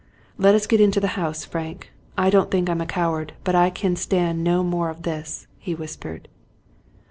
" Let us get into the house, Frank. I don't think I'm a coward, but I can stand no more of this," he whispered.